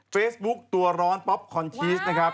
เฟซบุ๊คตัวร้อนป๊อปคอนชีสนะครับ